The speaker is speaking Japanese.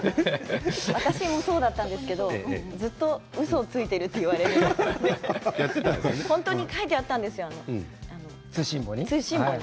私もそうだったんですけどずっとうそをついてるって言われて本当に書いてあったんですよ通信簿に。